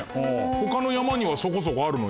他の山にはそこそこあるのに。